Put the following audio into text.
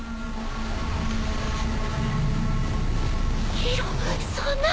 宙そんな。